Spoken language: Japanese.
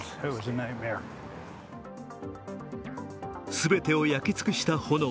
全てを焼き尽くした炎。